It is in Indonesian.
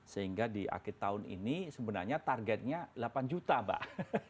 sehingga di akhir tahun ini sebenarnya targetnya delapan juta mbak